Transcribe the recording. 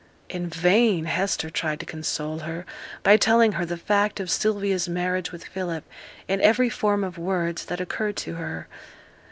In vain Hester tried to console her by telling her the fact of Sylvia's marriage with Philip in every form of words that occurred to her.